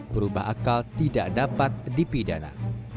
berubah akal tidak dapat dipidana